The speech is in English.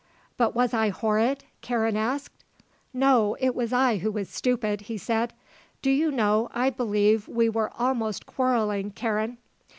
"But was I horrid?" Karen asked. "No. It was I who was stupid," he said. "Do you know, I believe we were almost quarrelling, Karen."